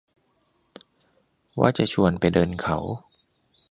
ว่าจะชวนไปเดินเขา